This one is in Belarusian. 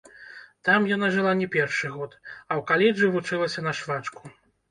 Там яна жыла не першы год, а ў каледжы вучылася на швачку.